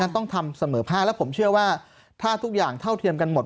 ต้องทำเสมอภาคและผมเชื่อว่าถ้าทุกอย่างเท่าเทียมกันหมด